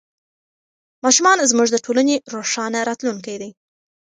ماشومان زموږ د ټولنې روښانه راتلونکی دی.